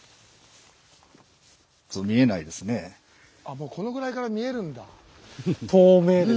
もうこのぐらいから見えるんだ。